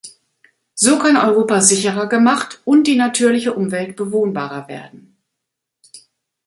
So kann Europa sicherer gemacht und die natürliche Umwelt bewohnbarer werden.